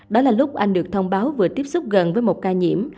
đó là lúc anh được thông báo vừa tiếp xúc gần với một ca nhiễm